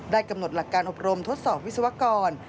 กำหนดหลักการอบรมทดสอบวิศวกร